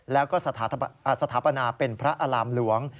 แล้วก็สถาปนาเป็นพระอารามหลวง